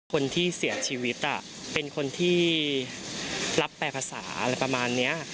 คนที่เสียชีวิตเป็นคนที่รับแปลภาษาอะไรประมาณนี้